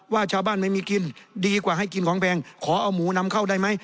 ว่าชาวบ้านไม่มีกินดีกว่าให้กินของแพงขอเอาหมูนำเข้าได้ไหม